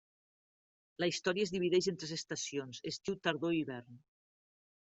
La història es divideix en tres estacions: estiu, tardor i hivern.